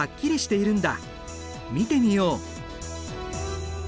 見てみよう。